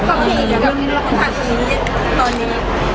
ความรู้สึกตอนนี้ตอนนี้